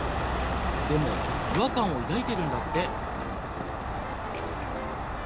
でも違和感を抱いてるんだって。